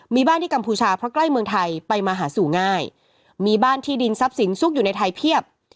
มีบ้านที่กัมพูชาเพราะใกล้เมืองไทยไปมาหาสู่ง่ายมีบ้านที่ดินทรัพย์สินซุกอยู่ในไทยเพียบ